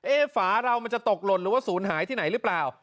ฝาเรามันจะตกหล่นหรือว่าศูนย์หายที่ไหนหรือเปล่า